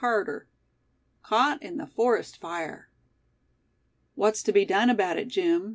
CHAPTER XXV. CAUGHT IN THE FOREST FIRE. "What's to be done about it, Jim?"